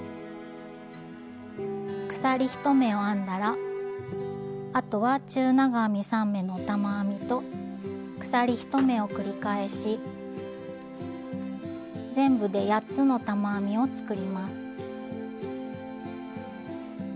鎖１目を編んだらあとは中長編み３目の玉編みと鎖１目を繰り返し全部で８つの玉編みを作ります。